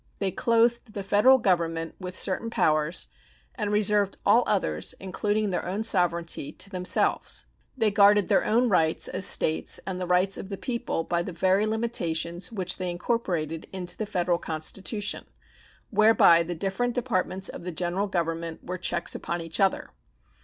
They clothed the Federal Government with certain powers and reserved all others, including their own sovereignty, to themselves. They guarded their own rights as States and the rights of the people by the very limitations which they incorporated into the Federal Constitution, whereby the different departments of the General Government were checks upon each other.